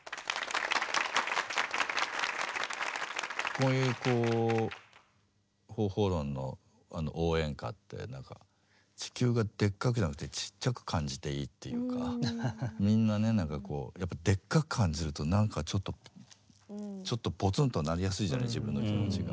こういうこう方法論の応援歌って何か地球がでっかくじゃなくてちっちゃく感じていいっていうかみんなね何かこうやっぱでっかく感じると何かちょっとちょっとぽつんとなりやすいじゃない自分の気持ちが。